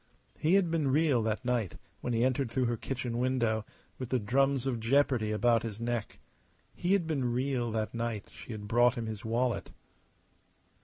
He had been real that night when he entered through her kitchen window, with the drums of jeopardy about his neck. He had been real that night she had brought him his wallet.